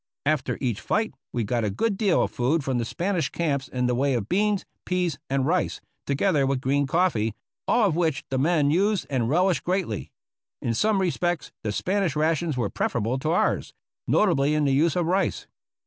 After each fight we got a good deal of food from the Spanish camps in the way of beans, peas, and rice, together with green coffee, all of which the men used and relished greatly. In some respects the Spanish rations were prefer able to ours, notably in the use of rice.